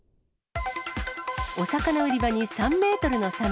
お魚売り場に３メートルのサメ。